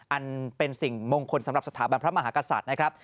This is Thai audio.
อันเป็นสิ่งมงคลสำหรับสถาบันพระมหากษัตริย์นะครับ